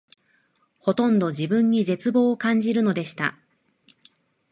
ほとんど自分に絶望を感じるのでした